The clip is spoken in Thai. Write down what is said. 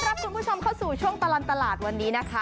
รับคุณผู้ชมเข้าสู่ช่วงตลอดตลาดวันนี้นะคะ